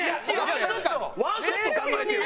１ショット考えてよ！